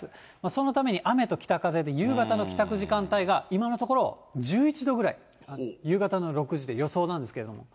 そのために雨と北風で、夕方の帰宅時間帯が、今のところ、１１度ぐらい、夕方の６時で、予想なんですけれども。